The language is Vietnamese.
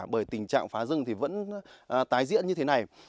bởi tình trạng phá rừng thì vẫn tái diễn như thế này